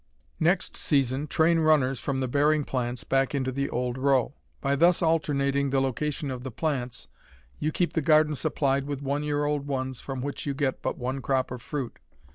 Next season train runners from the bearing plants back into the old row. By thus alternating the location of the plants you keep the garden supplied with one year old ones from which you get but one crop of fruit.